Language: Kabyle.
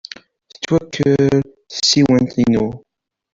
Tettwaker tsiwant-inu.